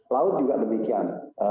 laut juga demikian